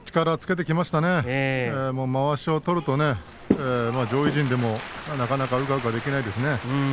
まわしを取るとね上位陣でもなかなかうかうかできないですね。